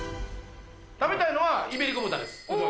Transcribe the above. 食べたいのは、イベリコ豚です。